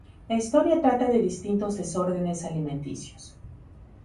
La historia trata de distintos desórdenes alimenticios.